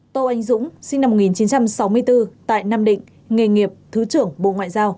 tô anh dũng sinh năm một nghìn chín trăm sáu mươi bốn tại nam định nghề nghiệp thứ trưởng bộ ngoại giao